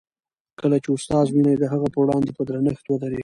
کله چي استاد وینئ، د هغه په وړاندې په درنښت ودریږئ.